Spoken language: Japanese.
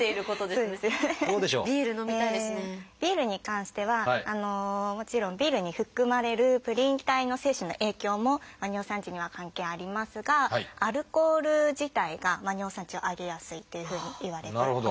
ビールに関してはもちろんビールに含まれるプリン体の摂取の影響も尿酸値には関係ありますがアルコール自体が尿酸値を上げやすいっていうふうにいわれております。